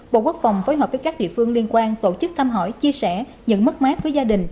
bộ quốc phòng phối hợp với các địa phương liên quan tổ chức thăm hỏi chia sẻ những mất mát với gia đình